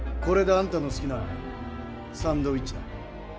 これであんたの好きなサンドイッチだ。